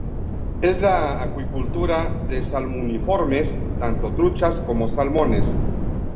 Es la acuicultura de Salmoniformes, tanto truchas como salmones.